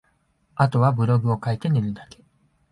後はブログ書いて寝るだけ